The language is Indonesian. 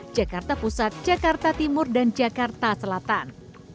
jakarta pusat jakarta timur dan jakarta selatan